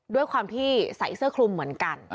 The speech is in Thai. ด้วยความที่ใส่เสื้อคลุมเหมือนกัน